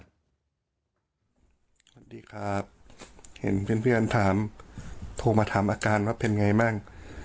สวัสดีครับเห็นเพื่อนถามโทรมาถามอาการว่าเป็นไงบ้าง